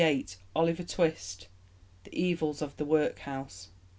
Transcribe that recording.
Oliver Twist (the evils of the Workhouse).